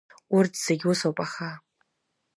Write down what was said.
Урҭ зегь усоуп, аха…